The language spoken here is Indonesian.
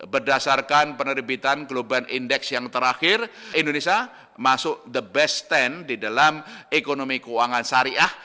berdasarkan penerbitan global index yang terakhir indonesia masuk the best sepuluh di dalam ekonomi keuangan syariah